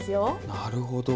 なるほど。